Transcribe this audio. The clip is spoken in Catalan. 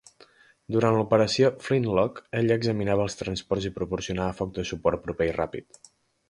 Durant l'operació "Flintlock", ella examinava els transports i proporcionava foc de suport proper i ràpid.